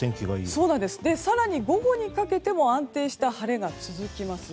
更に午後にかけても安定した晴れが続きます。